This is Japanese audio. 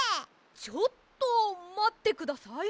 ちょっとまってください！